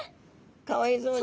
かわいそうに。